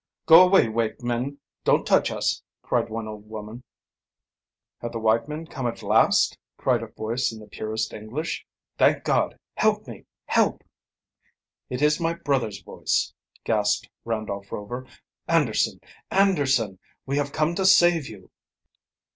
"Go away, white men; don't touch us!" cried one old woman. "Have the white men come at last?" cried a voice in the purest English. "Thank God! Help me! Help!" "It is my brother's voice!" gasped Randolph Rover. "Anderson! Anderson! We have come to save you!"